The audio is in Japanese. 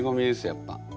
やっぱ。